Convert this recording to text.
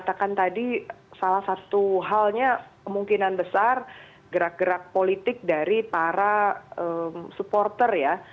saya katakan tadi salah satu halnya kemungkinan besar gerak gerak politik dari para supporter ya